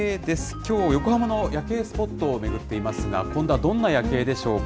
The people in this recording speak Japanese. きょう、横浜の夜景スポットを巡っていますが、今度はどんな夜景でしょうか。